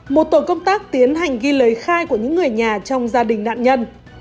một tổ công tác tiến hành ghi lời khai của những người nhà trong gia đình nạn nhân